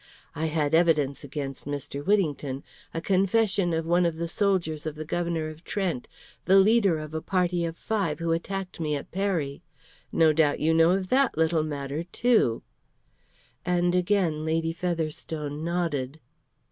I had evidence against Mr. Whittington, a confession of one of the soldiers of the Governor of Trent, the leader of a party of five who attacked me at Peri. No doubt you know of that little matter too;" and again Lady Featherstone nodded.